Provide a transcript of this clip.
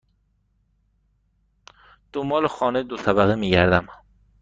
دنبال خانه دو طبقه می گردم.